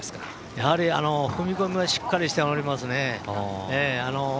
やはり踏み込みもしっかりしておりますね。